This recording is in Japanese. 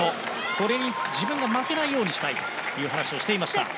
これに自分が負けないようにしたいという話をしていました。